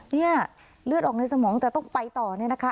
เนี่ยเลือดออกในสมองจะต้องไปต่อเนี่ยนะคะ